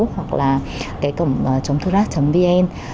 hoặc là cái cổng chống thuốc rác chấm vn